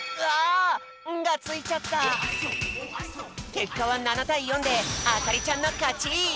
けっかは７たい４であかりちゃんのかち！